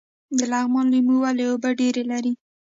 د لغمان لیمو ولې اوبه ډیرې لري؟